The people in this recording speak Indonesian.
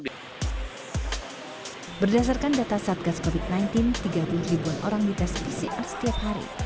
berdasarkan data satgas covid sembilan belas tiga puluh ribuan orang dites pcr setiap hari